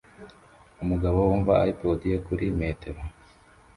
Umugabo wumva iPod ye kuri metero